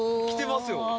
来てますよ